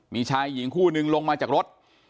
มีชายหญิงคู่นึงลงมาจากรถ